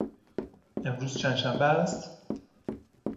امروز چندشنبه است؟